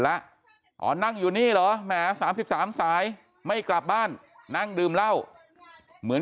แล้วอ๋อนั่งอยู่นี่เหรอแหม๓๓สายไม่กลับบ้านนั่งดื่มเหล้าเหมือน